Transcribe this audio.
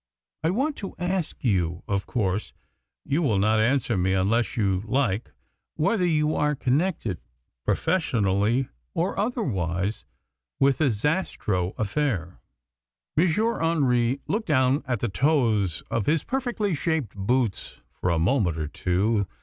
I want to ask you of course, you will not answer me unless you like whether you are connected, professionally or otherwise, with the Zastrow affair?" M. Hendry looked down at the toes of his perfectly shaped boots for a moment or two.